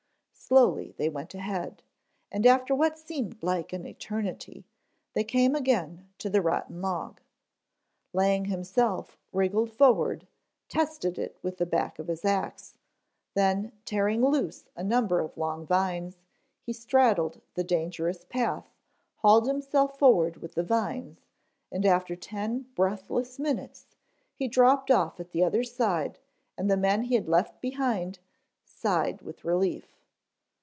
Slowly they went ahead, and after what seemed like an eternity, they came again to the rotten log. Lang himself wriggled forward, tested it with the back of his ax, then tearing loose a number of long vines, he straddled the dangerous path, hauled himself forward with the vines, and after ten breathless minutes, he dropped off at the other side and the men he had left behind, sighed with relief.